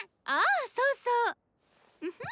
あそうそう！